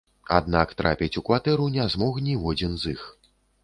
Аднак трапіць у кватэру не змог ніводзін з іх.